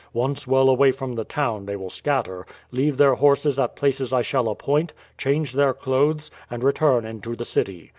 Once well away from the town they will scatter, leave their horses at places I shall appoint, change their clothes, and return into the city.